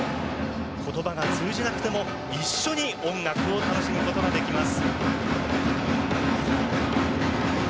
ことばが通じなくても一緒に音楽を楽しむことができます。